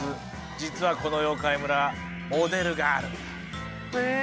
実はこの妖怪村モデルがあるんだ。